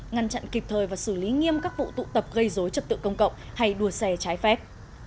ngăn chặn kịp thời và xử lý nghiêm các vụ tụ tập gây dối trật tự công cộng hay đua xe trái phép